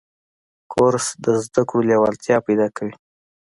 کورس د زده کړو لیوالتیا پیدا کوي.